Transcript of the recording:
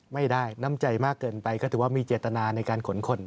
น้ำใจมากเกินไปก็ถือว่ามีเจตนาในการขนคน